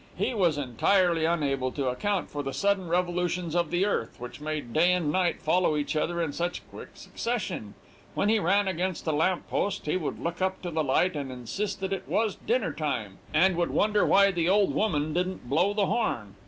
He was entirely unable to account for the sudden revolutions of the earth, which made day and night follow each other in such quick succession. When he ran against a lamp post, he would look up to the light and insist that it was dinner time, and would wonder why the old woman didn't blow the horn.